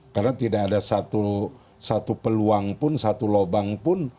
karena tidak ada satu peluang pun satu lubang pun